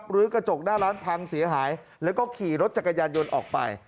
หรือกระจกหน้าร้านพังเสียหายแล้วก็ขี่รถจักรยานยนต์ออกไป